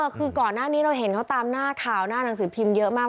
คือก่อนหน้านี้เราเห็นเขาตามหน้าข่าวหน้าหนังสือพิมพ์เยอะมาก